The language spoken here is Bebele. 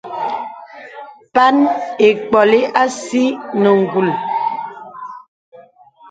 Pan ì mpkōlī a sì nə ngùl.